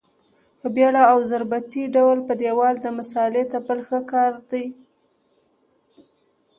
په بېړه او ضربتي ډول په دېوال د مسالې تپل ښه کار دی.